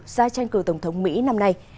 sai tranh cử tổng thống mỹ năm nay